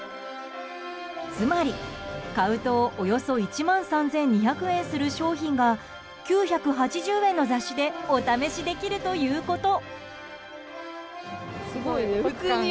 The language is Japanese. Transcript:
つまり、買うとおよそ１万３２００円する商品が９８０円の雑誌でお試しできるということ。